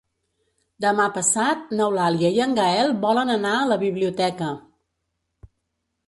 Demà passat n'Eulàlia i en Gaël volen anar a la biblioteca.